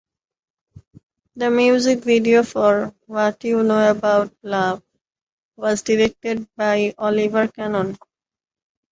The music video for "What You Know Bout Love" was directed by Oliver Cannon.